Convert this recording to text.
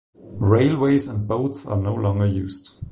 Railways and boats are no longer used.